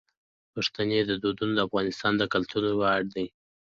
پښتني دودونه د افغانستان د کلتور ویاړ دي.